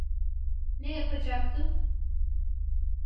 Ne yapacaktım?